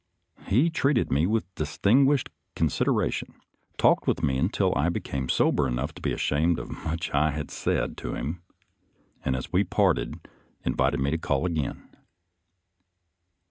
He treated me with distinguished consideration, talked with me until I became sober enough to be ashamed of much I had said to him, and as we parted invited me to call again.